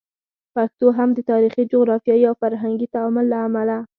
پښتو هم د تاریخي، جغرافیایي او فرهنګي تعامل له امله